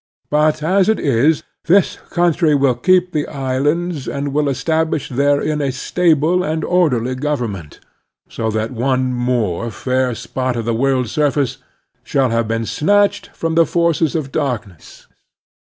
But, as it is, this coimtry will keep the islands and will establish therein a stable and orderly government, so that one more fair spot of the world's surface shall have been snatched from the forces of darkness.